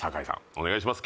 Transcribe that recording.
お願いします